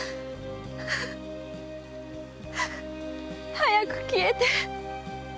早く消えて！